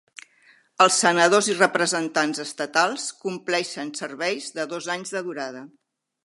Els senadors i representants estatals compleixen serveis de dos anys de durada.